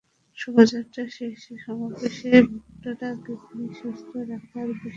শোভাযাত্রা শেষে সমাবেশে বক্তারা কিডনি সুস্থ রাখার বিভিন্ন বিষয় তুলে ধরেন।